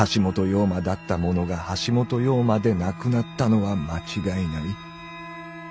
陽馬だったもの」が「橋本陽馬」でなくなったのは間違いない。